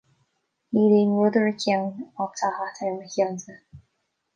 Níl aon rud ar a ceann, ach tá hata ar mo cheannsa